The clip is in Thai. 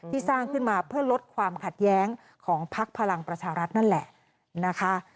สร้างขึ้นมาเพื่อลดความขัดแย้งของพักพลังประชารัฐนั่นแหละนะคะ